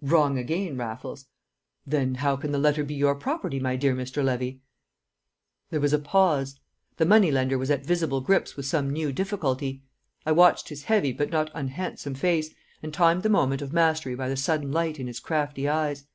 "Wrong again, Raffles!" "Then how can the letter be your property, my dear Mr. Levy?" There was a pause. The money lender was at visible grips with some new difficulty. I watched his heavy but not unhandsome face, and timed the moment of mastery by the sudden light in his crafty eyes.